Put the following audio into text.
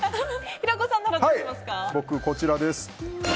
僕、こちらです。